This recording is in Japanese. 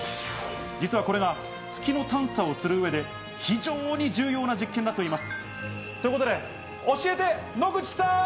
実はこれが月の探査をする上で非常に重要な実験だといいます。ということで教えて野口さん！